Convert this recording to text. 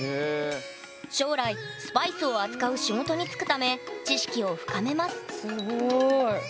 将来スパイスを扱う仕事に就くため知識を深めますすごい。